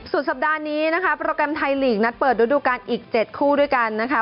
สัปดาห์นี้นะคะโปรแกรมไทยลีกนัดเปิดฤดูการอีก๗คู่ด้วยกันนะคะ